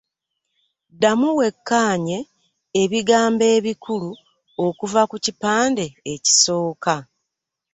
Ddamu wekkaanye ebigambo ebikulu okuva ku kipande ekisooka.